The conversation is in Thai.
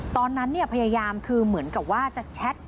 ตอนนั้นพยายามคือเหมือนกับว่าจะแชท